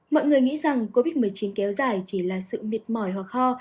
mọi người nghĩ rằng covid một mươi chín kéo dài chỉ là sự mệt mỏi hoặc ho